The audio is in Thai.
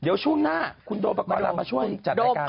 เดี๋ยวช่วงหน้าคุณโดปกรณามาช่วยจัดรายการ